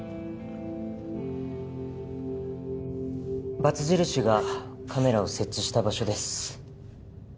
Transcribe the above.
バツ印がカメラを設置した場所です。